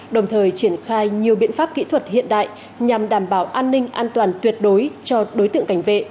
đồng thời triển khai nhiều biện pháp kỹ thuật hiện đại nhằm đảm bảo an ninh an toàn tuyệt đối cho đối tượng cảnh vệ